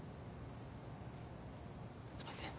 すいません。